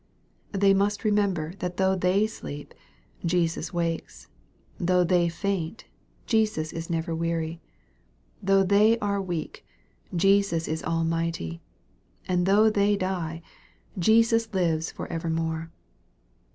They must remember that though they sleep, Jesus wakes though they faint, Jesus is never weary though they are weak, Jesus is Almighty and though they diej Jesus lives for evermore.